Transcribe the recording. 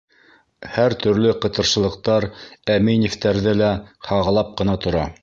Һәр төрлө ҡытыршылыҡтар Әминевтәрҙе лә һағалап ҡына тора.